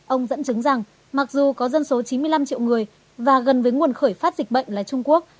ông dẫn chứng rằng mặc dù có dân số chín mươi năm triệu người và gần với nguồn khởi phát dịch bệnh là trung quốc